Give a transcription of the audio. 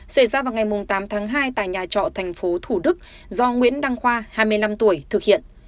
xảy ra vào ngày tám tháng hai tại nhà trọ tp thủ đức do nguyễn đăng khoa hai mươi năm tuổi thực hiện